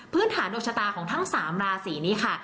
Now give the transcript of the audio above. พื้นฐานโดชตาของทั้ง๓ราศีนี้ค่ะ